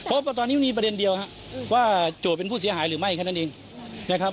เพราะว่าตอนนี้มีประเด็นเดียวครับว่าโจทย์เป็นผู้เสียหายหรือไม่แค่นั้นเองนะครับ